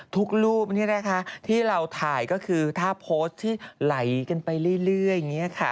ทุกรูปที่เราถ่ายก็คือถ้าโพสต์ที่ไหลกันไปเรื่อย